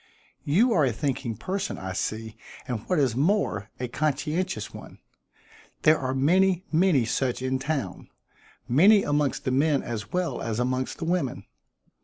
"You are a thinking person, I see, and what is more, a conscientious one. There are many, many such in town; many amongst the men as well as amongst the women.